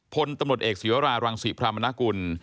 พลเอกศิวรารังศิพรามณกุล